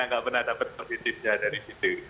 nggak pernah dapat positifnya dari situ